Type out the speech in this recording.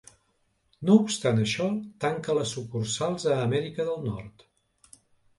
No obstant això tancà les sucursals a Amèrica del Nord.